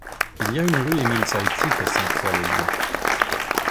Il y a une rue Émile-Zeizig, à Sainte-Foy-lès-Lyon.